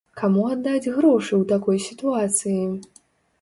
Каму аддаць грошы ў такой сітуацыі?